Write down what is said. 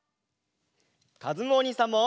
かずむおにいさんも！